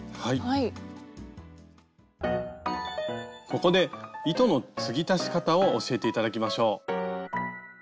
ここで糸の継ぎ足し方を教えて頂きましょう。